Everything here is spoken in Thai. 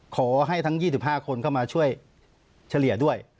ขอให้ทั้ง๒๕คนเข้ามาช่วยเฉลี่ยด้วย